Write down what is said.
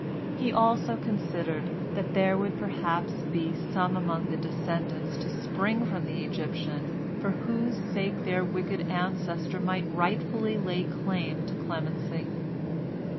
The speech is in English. He also considered, that there would perhaps be some among the descendants to spring from the Egyptian for whose sake their wicked ancestor might rightfully lay claim to clemency.